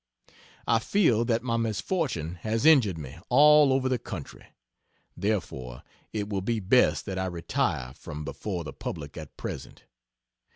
I feel that my misfortune has injured me all over the country; therefore it will be best that I retire from before the public at present.